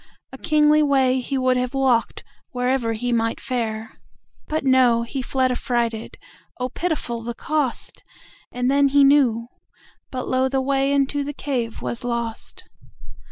A kingly way he would have walked, Wherever he might fare. But no; he fled affrighted(Oh, pitiful the cost!)And then he knew; but lo! the wayInto the cave was lost.